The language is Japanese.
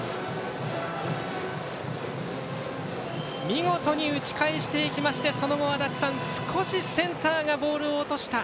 見事に打ち返していきましてその後、足達さん少しセンターがボールを落とした。